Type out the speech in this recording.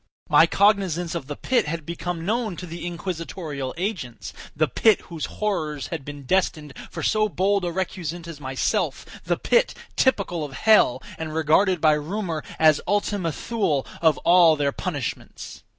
My cognizance of the pit had become known to the inquisitorial agents—the pit, whose horrors had been destined for so bold a recusant as myself—the pit, typical of hell, and regarded by rumor as the Ultima Thule of all their punishments.